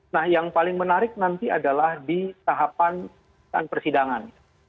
nah yang paling menarik nanti adalah di tahapan persidangan